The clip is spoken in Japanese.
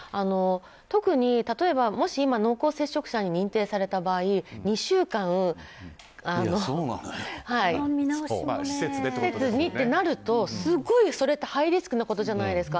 特に例えば、もし、今濃厚接触者に認定された場合２週間、施設にってなるとすごいそれってハイリスクなことじゃないですか。